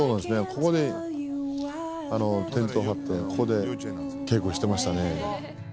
ここにテント張ってここで稽古してましたね。